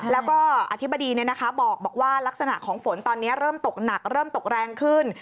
แล้วก็อธิบดีบอกว่าลักษณะของฝนตอนนี้เริ่มตกหนักเริ่มตกแรงขึ้น